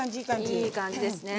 いい感じですね。